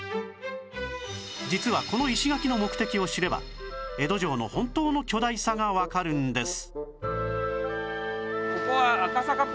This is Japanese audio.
実はこの石垣の目的を知れば江戸城の本当の巨大さがわかるんです